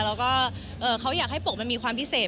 แล้วก็เขาอยากให้ปกมันมีความพิเศษ